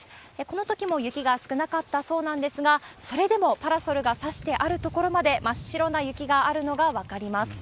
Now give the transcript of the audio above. このときも雪が少なかったそうなんですが、それでもパラソルが差してある所まで真っ白な雪があるのが分かります。